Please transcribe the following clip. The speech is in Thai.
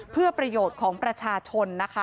เพื่อประโยชน์ของประชาชนนะคะ